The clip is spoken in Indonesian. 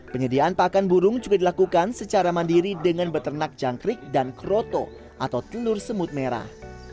penyediaan pakan burung juga dilakukan secara mandiri dengan beternak jangkrik dan kroto atau telur semut merah